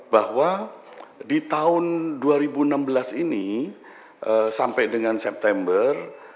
bahwa di tahun dua ribu enam belas ini sampai dengan september